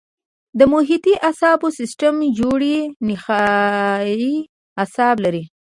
د محیطي اعصابو سیستم جوړې نخاعي اعصاب لري.